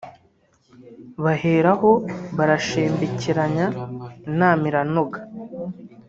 Baheraho barashembekeranya inama iranoga